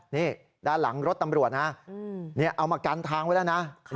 นี่ด้านหลังรถตำรวจนะเอามากันทางไว้แล้วนะ